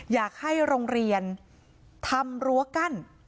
อยากให้โรงเรียนทำรั้วกั้น